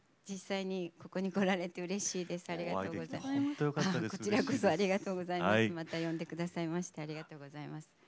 実際にここに来られてうれしいです。